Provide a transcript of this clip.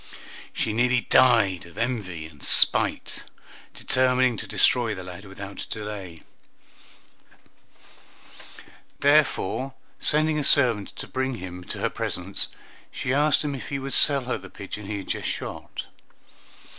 She nearly died of envy and spite, determining to destroy the lad without delay; therefore, sending a servant to bring him to her presence, she asked him if he would sell her the pigeon he had just shot.